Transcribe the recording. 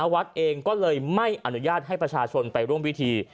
วัดเองก็เลยไม่อนุญาตให้ประชาชนไปร่วมพิธี